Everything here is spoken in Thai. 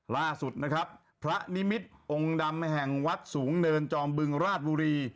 ล่าสุดนะครับพระนิมิตรองค์ดำแห่งวัดสูงเนินจอมบึงราชบุรี